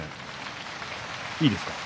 いいですか？